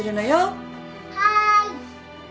はい。